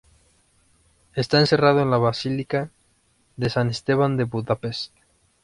Está enterrado en la Basílica de San Esteban de Budapest.